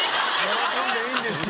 喜んでいいんですよ。